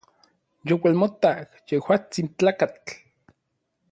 Youalmotak yejuatsin tlakatl.